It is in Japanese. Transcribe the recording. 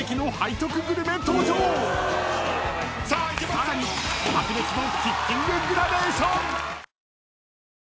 ［さらに白熱の］